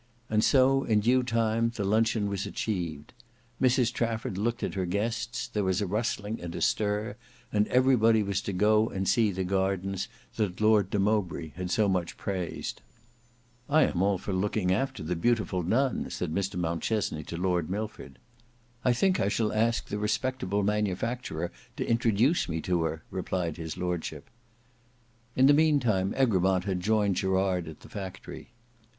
And so in due time the luncheon was achieved. Mrs Trafford looked at her guests, there was a rustling and a stir, and everybody was to go and see the gardens that Lord de Mowbray had so much praised. "I am all for looking after the beautiful Nun," said Mr Mountchesney to Lord Milford. "I think I shall ask the respectable manufacturer to introduce me to her," replied his lordship. In the meantime Egremont had joined Gerard at the factory.